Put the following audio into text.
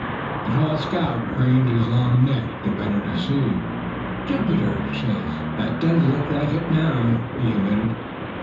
The tall scout craned his long neck, the better to see. "Jupiter! say, that does look like it, now," he admitted.